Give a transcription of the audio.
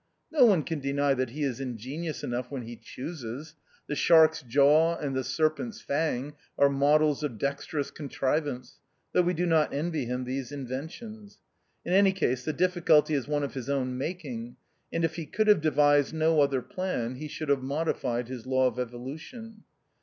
No one can deny that he is ingenious enough when he chooses ; the shark's jaw and the serpent's fang are models of dexter ous contrivance, though we do not envy him these inventions. In any case, the diffi culty is one of his own making, and if he could have devised no other plan, he should have modified his law of evolution.